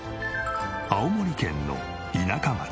青森県の田舎町。